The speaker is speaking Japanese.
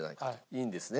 いいんですね？